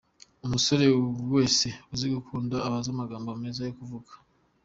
Umusore wese uzi gukunda aba azi amagambo meza yo kuvuga.